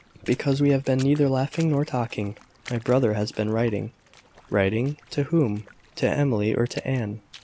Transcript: "Because we have been neither laughing nor talking. My brother has been writing " "Writing! To whom? To Emily, or to Anne?"